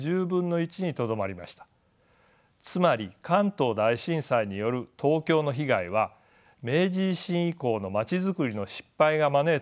つまり関東大震災による東京の被害は明治維新以降の街づくりの失敗が招いたものだったのです。